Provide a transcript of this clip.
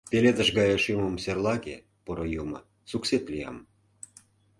Пеледыш гае шӱмым серлаге, поро юмо — суксет лиям.